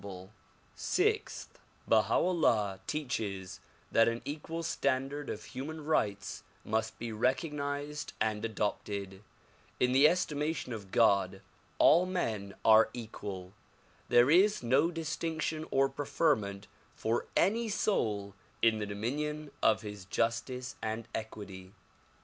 DISCOURSES DELIVERED IN PHILADELPHIA 177 Sixth : Baha 'Ullah teaches that an equal standard of human rights must be recognized and adopted. In the estimation of God all men are equal ; there is no distinction or preferment for any soul in the dominion of his justice and equity.